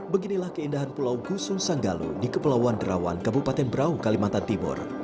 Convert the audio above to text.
beginilah keindahan pulau gusung sanggalau di kepulauan derawan kebupaten berau kalimantan timur